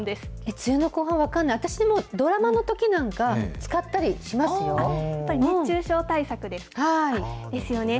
梅雨の後半、分かんない、私、でもドラマのときなんか、使ったやっぱり熱中症対策ですか。ですよね。